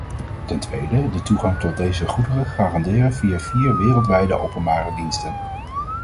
Ten tweede: de toegang tot deze goederen garanderen via vier wereldwijde openbare diensten.